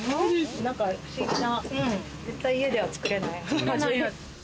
なんか不思議な、絶対家では作れない味。